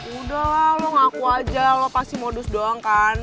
udahlah lo ngaku aja lo pasti modus doang kan